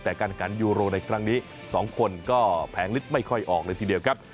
แต่การขันยูโรในครั้งนี้๒คนก็แผงลิดไม่ค่อยออกเลยทีเดียวครับ